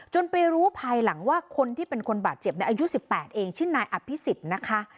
ไปรู้ภายหลังว่าคนที่เป็นคนบาดเจ็บในอายุ๑๘เองชื่อนายอภิษฎนะคะ